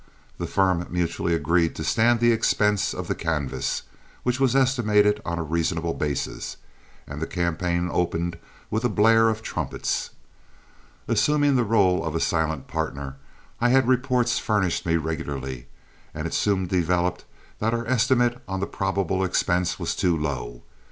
The firm mutually agreed to stand the expense of the canvass, which was estimated on a reasonable basis, and the campaign opened with a blare of trumpets. Assuming the rôle of a silent partner, I had reports furnished me regularly, and it soon developed that our estimate on the probable expense was too low.